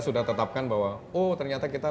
sudah tetapkan bahwa oh ternyata kita